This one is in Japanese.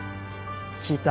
聞いた。